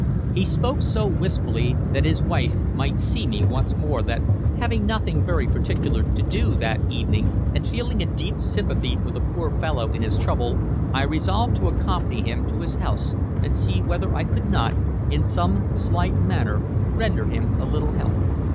He spoke so wistfully that his wife might see me once more that, having nothing very particular to do that evening, and feeling a deep sympathy for the poor fellow in his trouble, I resolved to accompany him to his house and see whether I could not, in some slight manner, render him a little help.